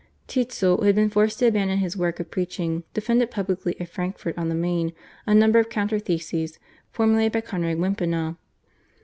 Tetzel, who had been forced to abandon his work of preaching, defended publicly at Frankfurt on the Maine a number of counter theses formulated by Conrad Wimpina.